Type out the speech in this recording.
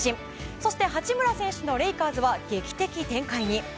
そして八村選手のレイカーズは劇的展開に。